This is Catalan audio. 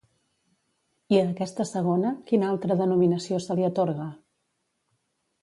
I a aquesta segona, quina altra denominació se li atorga?